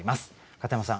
片山さん